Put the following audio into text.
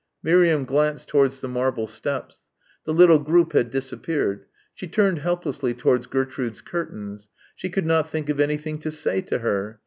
Miriam glanced towards the marble steps. The little group had disappeared. She turned helplessly towards Gertrude's curtains. She could not think of anything to say to her.